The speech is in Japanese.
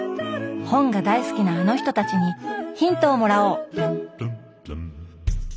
本が大好きなあの人たちにヒントをもらおう！